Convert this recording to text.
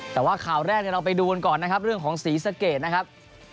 แต่ว่าข่าวแรกเราไปดูกันก่อนนะครับเรื่องของศรีสะเกดนะครับ